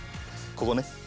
ここね。